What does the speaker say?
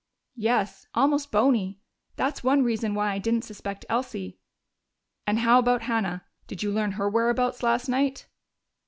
"Yes. Almost bony. That's one reason why I didn't suspect Elsie." "And how about Hannah? Did you learn her whereabouts last night?"